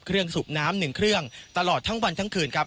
เครื่องสูบน้ำหนึ่งเครื่องตลอดทั้งวันทั้งคืนครับ